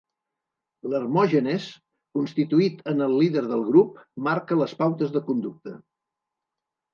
L'Hermògenes, constituït en el líder del grup, marca les pautes de conducta.